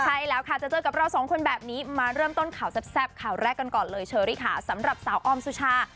ใช่แล้วค่ะจะเจอกับเราสองคนแบบนี้มาเริ่มต้นข่าวแซ่บข่าวแรกกันก่อนเลยเชอรี่ค่ะสำหรับสาวออมสุชา